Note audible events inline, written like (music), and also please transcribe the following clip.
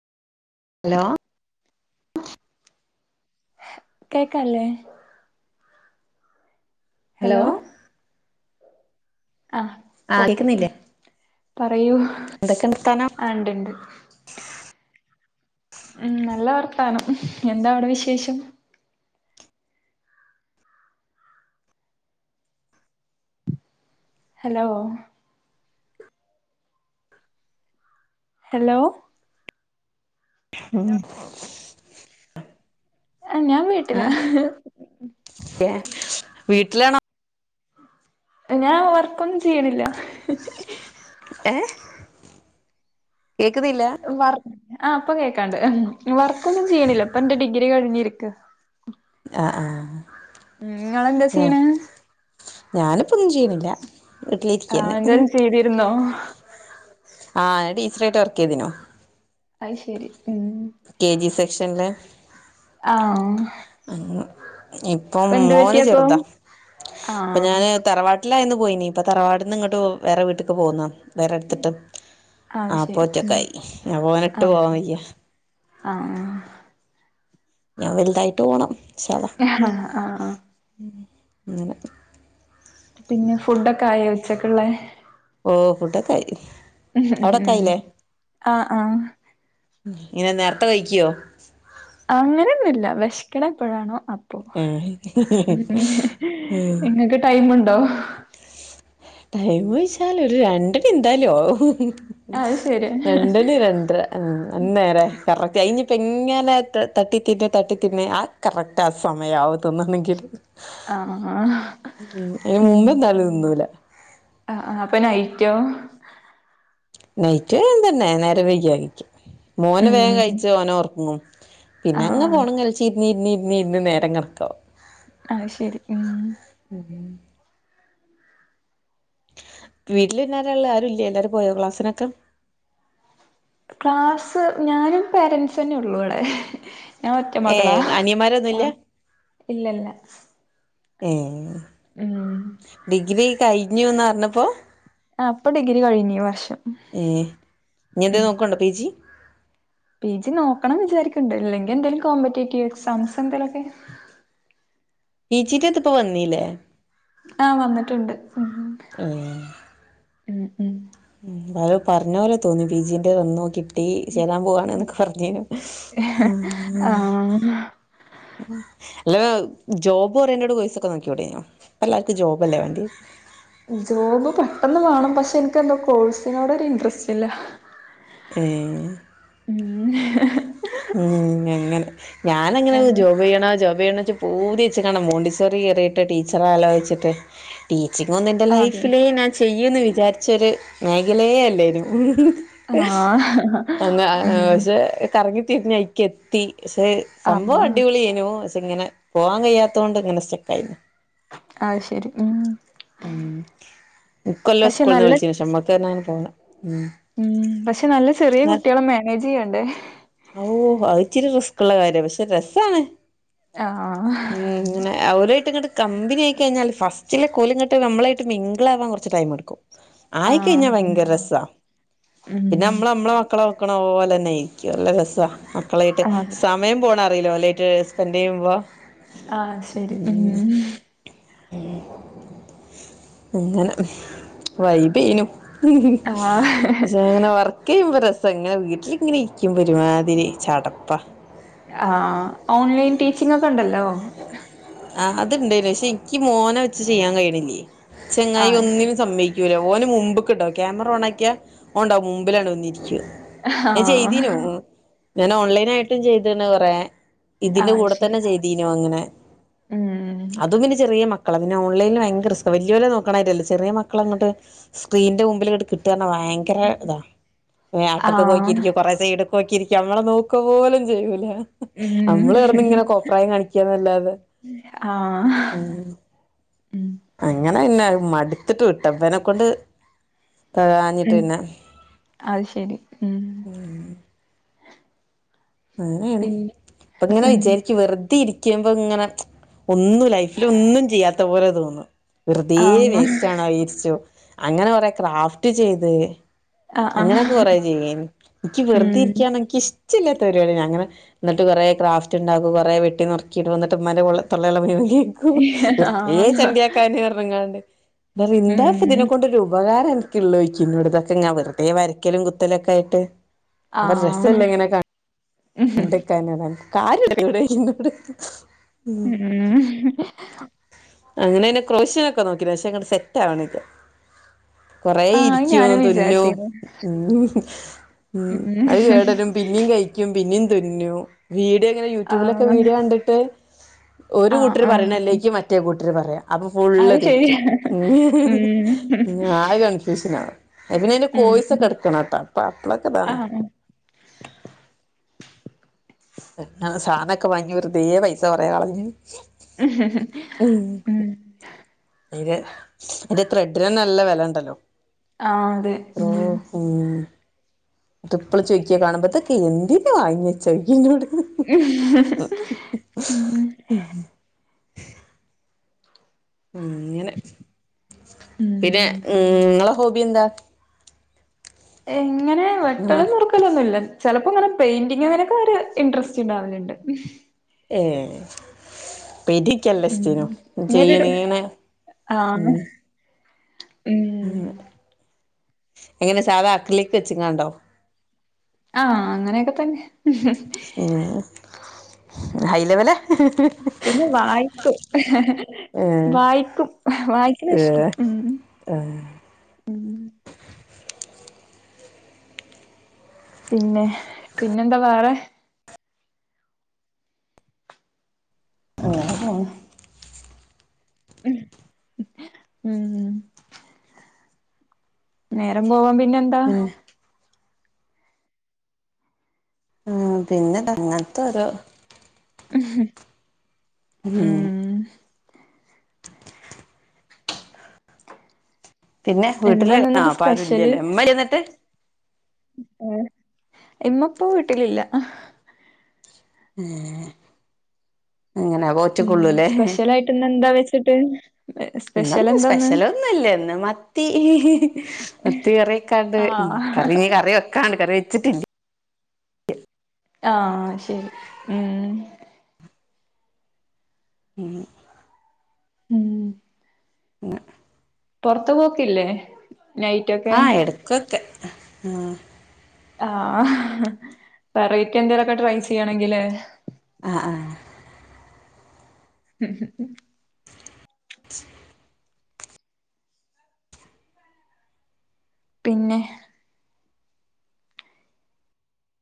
hello കേക്കാല്ലേ hello ആ ആ പ്പൊ ക്കെ ഉം കേക്കുന്നില്ലേ പറയൂ എന്തൊക്കെ വർത്താനം ആ ണ്ട്ണ്ട് ഉം നല്ല വർത്താനം എന്താവടെ വിശേഷം ഹലോ ഹെലോ ഉം ആഹ് ഞാൻ വീട്ടിലാ വീട്ട്ലാണോ ഞാൻ വർക്കൊന്നും ചെയ്യണില്ല ഏഹ് വർ ആഹ് ഇപ്പ കേക്കാണ്ട് വർക്കൊന്നും ചെയ്യണില്ല ഇപ്പ ഇന്റെ ഡിഗ്രി കഴിഞ്ഞിരി ക്കാ ആ ആ ഉം നിങ്ങളെന്താ ആ ചെയ്യ്ണേ ഞാനിപ്പൊന്നും ചെയ്യണില്ല ആഹ് വീട്ടിലിരിക്കന്നെ എന്തേലും ചെയ്തിരുന്നോ ആഹ് ഞാൻ ടീച്ചറായിട്ട് വർക്ക് ചെയ്തിനു അയ്ശരി കെ ജി സെക്ഷൻല്ല് ആഹ് ഇപ്പം ഇപ്പൊ എന്ത് മോന് പറ്റിയപ്പൊ ചെറുതാ അപ്പൊ ആഹ് ഞാന് തറവാ ട്ട്ലായന്ന് പോയിനി ഇപ്പൊ തറവാട്ട്ന്ന് ഇങ്ങട്ട് വേറെ വീട്ട്ക്ക് പോന്നാ വേറെട്ത്ത്ട്ട് അത് അപ്പൊ ശരി ഉം ഒറ്റക്കായി ഇഞ്ഞ് ഓനെട്ട് ആഹ് പോവാൻ വയ്യ ആഹ് ഇഞ്ഞോൻ വൽതായിട്ട് പോണം ഇൻഷാഹ് അള്ളാ ആഹ് ആഹ് അങ്ങനെ പിന്നെ ഫുഡൊക്കെ ആയോ ഉച്ചക്ക്ള്ളേ ഓഹ് ഫുഡൊക്കായി അവിടെ ഉം ഒക്കായില്ലേ ആഹ് ആഹ് ഇങ്ങനെ നേർത്തെ കഴിക്ക്യോ അങ്ങനെയൊന്നുല്ല വെശ്ക്ക്ണെ എപ്പഴാണോ അപ്പോ ഏഹ് ഉം ഇങ്ങക്ക് ടൈം ഇ ടൈമ് ഓയ്ച്ചാല് ഒരു രണ്ടണി എന്തായാലും ആവും അത് ശരിയാ രണ്ടണി രണ്ടര ഉം അതെന്നേറേ കറക്റ്റ് അയിനിപ്പ എങ്ങനെ തട്ടിത്തിന്നെ തട്ടിത്തിന്നെ ആ കറക്റ്റ് ആ സമയാവും തിന്നണെങ്കില് ഉം ഇതിന് മുൻപ് ആ അപ്പൊ നൈറ്റോ നൈറ്റ് ഇതന്നെ നേരം വെയ്കിയ കയ്ക്കാ മോൻ ഉം വേഗം കഴിച്ച ഓൻ ഒറങ്ങും പിന്നെ ആഹ് അങ്ങനെ ആഹ് ഫോണും കൾച്ചിര്ന്ന് ഇര്ന്ന് ഇര്ന്ന് ഇര്ന്ന് നേരം കണക്കാവും അഹ് ശെരി ഉം വീട്ടില് പിന്നെ ആരാള്ളെ ആരൂല്ലേ എല്ലാരും പോയോ ക്ലാസിനൊക്കെ ക്ലാസ്സ് ഞാനും പേരൻറ്സും തന്നെ ഒള്ളൂ വടെ ഞാൻ ഒറ്റ മകളാ ഏഹ് ആ അനിയന്മാരൊന്നുല്ല ഇല്ലല്ല ഏ ഉം നീ ഒന്ന് പറഞ്ഞപ്പോ ആ അപ്പൊ ഡിഗ്രി കഴിഞ്ഞു ഈ വർഷം ഇനി എന്തേ ഉം നോക്കണ്ടോ പി ജി പി ജി നോക്കണം വിചാരിക്ക്ണ്ട് ഇല്ലെങ്കിൽ എന്തേലും കോമ്പറ്റേറ്റീവ് എക്സാംസ് എന്തേലുമൊക്കെ പി ജി റ്റത്ത്പ്പോ വന്നീല്ലേ ആഹ് വന്നിട്ടുണ്ട് ഉം ഏ ഉം ഉം ആരോ പറഞ്ഞ പോലെ തോന്നി പി ജിന്റെ വന്നു നോക്കി പിജി ചേരാൻ പോവാണ്ന്നോക്കെ പറഞ്ഞേനു ഉം ആഹ് അല്ല ജോബ്ഓറിയന്റേഡ് കോഴ്‌സ് ഒക്കെ നോക്കികൂടെനിയോ ഇപ്പല്ലാർക്കും ജോബല്ലേ വേണ്ടിയെ ജോബ് പെട്ടെന്ന് വേണം പക്ഷെ എനിക്ക് എന്തോ കോഴ്സിനോടൊ ഒരു ഇൻട്രസ്റ്റ് ഇല്ല ഏ ഉം ഉം അങ്ങനെ ഞാൻ എങ്ങനെ ഏഹ് ജോബ് ചെയ്യണോ ജോബ് ചെയ്യണോ പൂതി വെച്കാണ്ട് മോണ്ടിസോറി കയറിയിട്ട് ടീച്ചർ ആലോചിച്ചിട്ട് ടീച്ചിങ് ഒന്ന്ൻ്റെ അതെ ലൈഫിലേ ഞാൻ ചെയ്യുന്ന് വിചാരിച്ചൊരു മേഖലയേ അല്ലായിരുന്നു ആഹ് അ ഉം പക്ഷെ കറങ്ങി എത്തി പക്ഷെ സംഭവം ആഹ് അടിപൊളിനു ഇങ്ങനെ പോവാൻ കഴിയാത്തത് കൊണ്ട് ഇങ്ങനെ സ്റ്റെക്ക് ആയി അത് ശരി ഉം ഇക്കൊല്ലം പക്ഷെ സ്കൂൾന്ന് നല്ല വിളിച്ചിനി പക്ഷെ ഞമ്മക്ക്ന്ന് പറഞ്ഞാൽ ഉം പക്ഷെ നല്ല ചെറിയ കുട്ടികളെ മാനേജ് ചെയ്യണ്ടേ ഓ അത് ഇച്ചിരി റിസ്ക്ള്ള കാര്യ പക്ഷെ രസാണ് ആഹ് ഉം അങ്ങനെ അവരായിട്ട് ഇങ്ങോട്ട് കമ്പനി ആയി കഴിഞ്ഞാൽ ഫസ്റ്റിലെ ഓൽങ്ങിട്ട് നമ്മളായിട്ട് മിങ്കിളാവാൻ കുറച്ച് ടൈം എടുക്കും ആയിക്കഴിഞ്ഞാ ആഹ് ഭയങ്കര രസ ഉം പിന്നെ നമ്മൾ നമ്മളെ മക്കളെ ക്കണ പോലെ തന്നെ ഇരിക്കുംല്ല രസവ മക്കളായിട്ട് അതെ സമയം പോണ ഓലായിട്ട് സ്പെൻഡ് ചെയ്യുമ്പോ ആഹ് അത് ശരി ഉം ഇങ്ങനെ വൈബേനു ആഹ് പക്ഷെ അങ്ങനെ വർക്ക് ചെയ്യുമ്പോ രസാ ഇങ്ങനെ വീട്ടിലിങ്ങനെ ഇരിക്കുമ്പോ ഒരുമാതിരി തിരി ചടപ്പാ ആഹ് ഓൺലൈൻ ടീച്ചിങ് ഒക്കെ ഉണ്ടല്ലോ ആ അത്ണ്ടായിനി പക്ഷെ എനിക്ക് മോനെ വെച്ച് ചെയ്യാൻ കഴിയണില്ലേ ചെങ്ങായി ആഹ് ശരി ഒന്നിനും സമ്മയി ക്കൂല ഓന് മുമ്പ്ക്ക്ണ്ടാവും ക്യാമറ ഓണ ആക്കിയാ ഓന്ണ്ടാവും മുമ്പിലാണ് വന്നിരിക്ക ഞാൻ ആഹ് ചെയ്തീനു ഞാൻ ഓൺലൈൻ ആയിട്ടും ചെയ്ത്ണ് കൊറെ ഇതിന്റെ ആഹ് കൂടെ ശരി തന്നെ ചെയ്തീനു അങ്ങനെ ഉം അതും പിന്നെ ചെറിയ മക്ക ക്കള പിന്ന ഓൺലൈനിൽ ഭയങ്കര റിസ്ക്കാ വല്യോലെ നോക്കണ മാതിരി അല്ല ചെറിയ മക്കളെ അങ്ങട്ട് സ്ക്രീനിന്റെ മുമ്പ്ൽ ഇങ്ങട്ട് കിട്ടാ ഭയങ്കര ഇതാ കൊറേ അട്ടത്തക്ക് നോക്കി ആഹ് ഇർക്കും കോറേ സൈഡ് നോക്കിരിക്ക നമ്മളെ നോക്ക പോലും ചെയ്യൂല ഉം നമ്മള് കടന്ന് ഇങ്ങനെ കൊപ്രായം കാണി ല്ലാതെ ആഹ് ഏ ഉം അങ്ങ അങ്ങനെന്നെ മടുത്തിട്ട് വിട്ട അയ്നെക്കൊണ്ട് ഉം കാഞ്ഞിട്ട്ന്നെ അത് ശരി ഉം അങ്ങനെയാണ് പിന്നെ അപ്പ ഇങ്ങനെ ഉം വിചാരിക്കു വെറുതെ ഇരിക് ക്കുമ്പങ്ങനെ ഒന്നും ലൈഫിൽ ഒന്നും ചെയ്യാത്ത പോലെ തോന്ന വെറുതേ ആഹ് വേസ്റ്റ് ആണോരിച്ചു അങ്ങനെ കുറെ ക്രാഫ്റ്റ് ചെയ്ത് ആഹ് അങ്ങനൊക്കെ ആഹ് കൊറേ ചെയ്യായ്ന് ക്കി ഉം വെറുതെരിക്കണെനിക്ക് ഇഷ്ടല്ല പരിപാടി അങ്ങനെ എന്നിട്ട് കുറേ ക്രാഫ്റ്റ് ഉണ്ടാക്കും കുറെ വെട്ടി നർക്കിയും ന്ന്ട്ട് മ്മാന്റെ തൊള്ളേൽ മുഴുവൻ ഹ് ഹ് വെർതേ ആഹ് ചണ്ട്യയാക്കാന്ങ്ങല്ലാണ്ട് റിന്ദാ ഇതിനെ ഉം കൊണ്ടൊരു ഉപകാരം ള്ളോനോയ്ക്കും വെറുതേ വരക്കലും കുത്തലും ഒക്കെ ആയ്ട്ട് ആഹ് രസല്ലേങ്ങനെ കാണാ ഉം ണ്ടക്കാനട കാര്ടവിടെ ഹ്ഹ് ഉ അങ്ങനെ ക്രോശ്യനൊക്കെ നോക്കി പക്ഷേ അങ്ങട്ട് സെ സെറ്റാവണില്ല കുറേ ആഹ് ഞാനും ഇരിക്കും തുന്നു വിചാരിച്ചിരുന്നു ഹ്ഹ് ഉം അത് കേടലും പിന്നേ കഴിക്കും പിന്നേ തുന്നു വീഡിയോ ഇങ്ങനെ യൂട്യൂബിലൊക്കെ ആഹ് വീഡിയോ കണ്ടിട്ട് ഒരു ആഹ് കൂട്ടർ പറയണ ആഹ് അല്ലേക്കും മറ്റേ കൂട്ടർ പറയാം അപ്പൊ ഫുള്ള് അത് തെറ്റും ശരിയാ ഉം ആകെ കൺഫ്യൂഷൻ ആകും പിന്നെതി ഉം വോയ്സ കെടക്കണട്ടാ അപ്പൊ അപ്പളൊക്കെ ഇതാണ് ആഹ് സാധനൊക്കെ വാങ്ങി വെറുതെ പൈസ കുറേ കളഞ്ഞു ഹ് ഹ് ഹ് അതിര് അന്റെ ത്രെഡിനന്നെ നല്ല വെലണ്ടല്ലോ ആ അതെ ഉ ഇപ്പള ചൊയ്ക്കെ കാണുമ്പോഴത്തേക്കെ ഇതൊക്കെന്തിന് വാങ്യെച്ചാചൊയ്ക്കുന്നോട് ഹ് ഹ് ഹ് ഉ ഉ അങ്ങനെ പിന്നെ ഉം ങ്ങളെ ഹോബി എന്താ എങ്ങനെ വെട്ടലും നുറുക്കലൊന്നുല്ല ചിലപ്പോങ്ങനെ പെയിന്റിങ്ങങ്ങനൊക്കെ ഒരു ഇന്ററസ്റ്റ് ഉണ്ടാവലുണ്ട് ഏ പെയിന്റനിക്കല്ല ഉം സ്റ്റീനോ ചെയ്യ ഇങ്ങനൊരു നീനെ ഉ ആഹ് ഉം എങ്ങനെ സാധാ അക്ലിക്ക് വെച്ചിങ്ങാണ്ടോ ആഹ അങ്ങനൊക്കെ തന്നെ ഹ് ഹ് ഹൈലെവല ഹ് ഹ് പിന്നെ വായിക്കും ഹ് ഹ് ഹ ഏഹ് വായിക്കും വായിക്കണഷ്ടാ ഉ ഉ പിന്നെ പിന്നെന്താ വേറെ ആ ഉം നേരം പോവാൻ പിന്നെന്താ പിന്നെ ആ പിന്നെ തങ്ങനത്തെ ഓരോ ഹ്ഹ് ഹു പിന്നെ വീട്ടില് ആ എന്താന്ന്ന്നിട്ട് സ്പെഷ്യല് പ്പാരുംല്ലല്ലേ മ്മല്ലേന്നിട്ട് ഇമ്മപ്പ വീട്ടിലില്ല ഊഹ് ഉം സ്പെഷ്യൽ ആയിട്ട്ന്ന് എന്താ വെച്ചിട്ട് സ്പെഷ്യൽ ഇന്നന്ന് എന്താന്ന് സ്പെഷ്യലൊന്നുംല്ലേന്ന് ഹ്ഹ്ഹ് മത്തി മത്തി കറി വക്കാണ്ട് ഉ ആഹ് കറി നീ കറി വെക്കാണ്ട് കറി വെച്ചിട്ടില്ല ആഹ ശരി ഉം ഉം ഉം ഉ പെറത്ത് പോക്കില്ലേ നൈറ്റൊക്കെ ആ എടുക്കൊക്കെ ആ ആ വെറേറ്റ് എന്തെലൊക്കെ ട്രൈ ചെയ്യണെങ്കില് ആ ആ (inaudible) (unintelligible) പിന്നെ